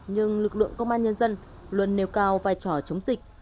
nhưng lực lượng công an nhân dân luôn nêu cao vai trò chống dịch